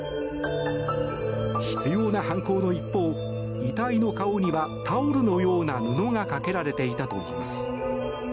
執拗な犯行の一方遺体の顔にはタオルのような布がかけられていたといいます。